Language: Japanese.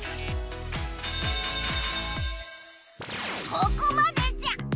ここまでじゃ！